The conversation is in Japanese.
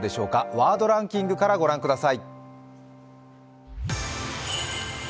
「ワードデイリーランキング」から御覧ください。